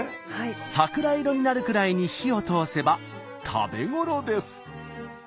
桜色になるくらいに火を通せば食べ頃です。